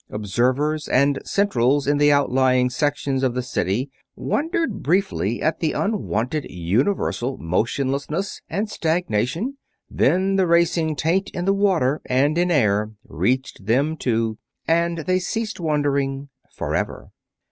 Observers and centrals in the outlying sections of the city wondered briefly at the unwonted universal motionlessness and stagnation; then the racing taint in water and in air reached them, too, and they ceased wondering forever.